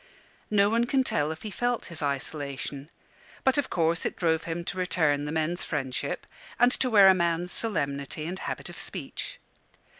No one can tell if he felt his isolation; but of course it drove him to return the men's friendship, and to wear a man's solemnity and habit of speech.